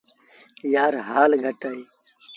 يآر هآل گھٽ اهي۔